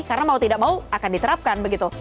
karena mau tidak mau akan diterapkan begitu